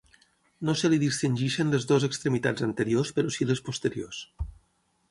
No se li distingeixen les dues extremitats anteriors però si les posteriors.